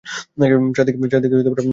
চারদিকে আর্মি ঘিরে ফেলেছে।